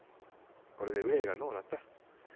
これで憂いがのうなった。